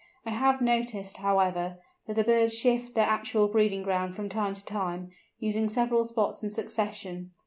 I have noticed, however, that the birds shift their actual breeding ground from time to time, using several spots in succession.